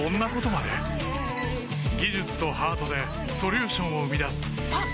技術とハートでソリューションを生み出すあっ！